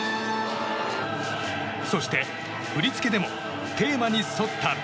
そして、振り付けでもテーマに沿った。